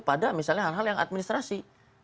pada misalnya hal hal yang administrasi